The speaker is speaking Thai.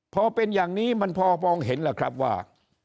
พอเป็นอย่างนี้มันพอมองเห็นล่ะครับว่า